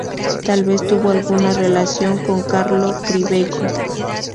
Tal vez tuvo alguna relación con Carlo Crivelli.